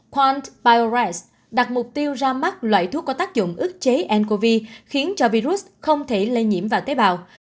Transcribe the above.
quam biores đặt mục tiêu ra mắt loại thuốc có tác dụng ức chế ncov khiến cho virus không thể lây nhiễm vào tế bào